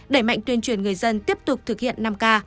đẩy mạnh tuyên truyền người dân tiếp tục thực hiện năm k